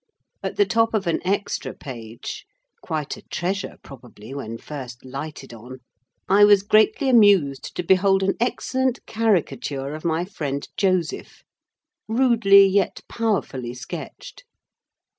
At the top of an extra page (quite a treasure, probably, when first lighted on) I was greatly amused to behold an excellent caricature of my friend Joseph,—rudely, yet powerfully sketched.